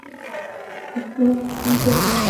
এখানে blood bank পরিষেবা বর্তমান।